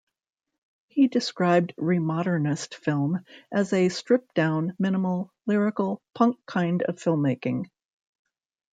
He described Remodernist film as a "stripped down, minimal, lyrical, punk kind of filmmaking".